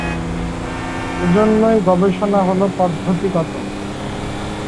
এজন্যই গবেষণা হলো পদ্ধতিগত।